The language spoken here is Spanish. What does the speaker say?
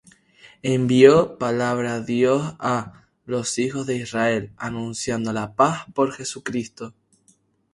Envió palabra Dios á los hijos de Israel, anunciando la paz por Jesucristo;